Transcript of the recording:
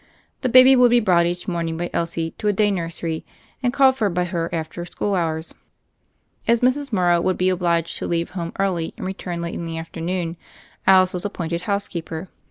The baby would be brought each morning by Elsie to a day nursery, and called for by her after school hours. As Mrs. Morrow would be obliged to leave home early and return late in the afternoon, Alice was ap pointed housekeeper.